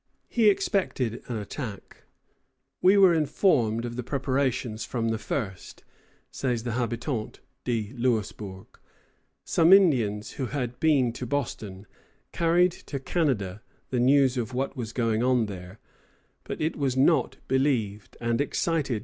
He expected an attack. "We were informed of the preparations from the first," says the Habitant de Louisburg. Some Indians, who had been to Boston, carried to Canada the news of what was going on there; but it was not believed, and excited no alarm.